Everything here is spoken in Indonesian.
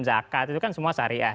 zakat itu kan semua syariah